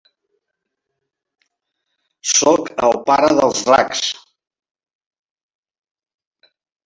Soc el pare dels dracs.